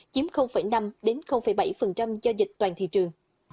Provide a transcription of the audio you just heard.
chiếm năm bảy giao dịch toàn thị trường